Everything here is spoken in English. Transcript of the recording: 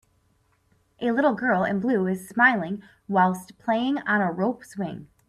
A little girl in blue is smiling whilst playing on a rope swing.